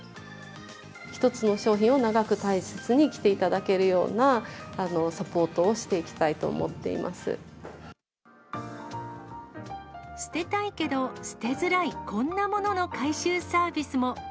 一つの商品を長く大切に着ていただけるようなサポートをして捨てたいけど、捨てづらい、こんなものの回収サービスも。